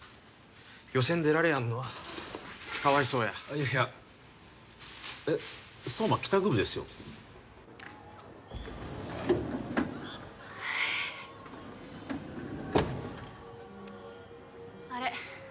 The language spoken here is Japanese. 予選出られやんのはかわいそうやいやえっ壮磨帰宅部ですよはあっあれ？